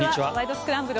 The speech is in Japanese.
スクランブル」